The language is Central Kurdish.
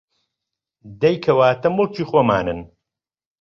دەی کەواتە موڵکی خۆمانن